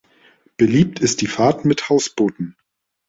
Beliebt ist die Fahrt mit Hausbooten.